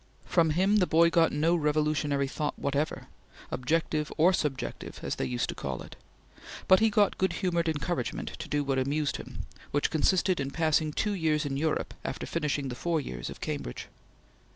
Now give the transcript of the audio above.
From him the boy got no revolutionary thought whatever objective or subjective as they used to call it but he got good humored encouragement to do what amused him, which consisted in passing two years in Europe after finishing the four years of Cambridge.